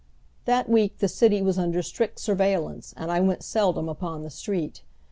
That week the city was under strict surveillance and I went seldom upon the street.